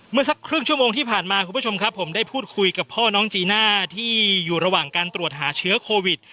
สักครึ่งชั่วโมงที่ผ่านมาคุณผู้ชมครับผมได้พูดคุยกับพ่อน้องจีน่าที่อยู่ระหว่างการตรวจหาเชื้อโควิด